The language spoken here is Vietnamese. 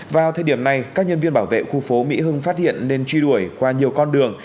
vào thời điểm này các nhân viên bảo vệ khu phố mỹ hưng phát hiện nên truy đuổi qua nhiều con đường